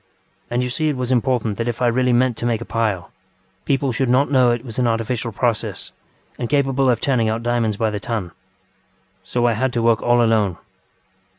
And you see it was important that if I really meant to make a pile, people should not know it was an artificial process and capable of turning out diamonds by the ton. So I had to work all alone.